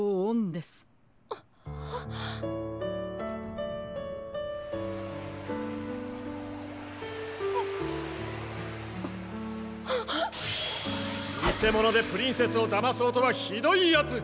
「にせものでプリンセスをだまそうとはひどいヤツ！」。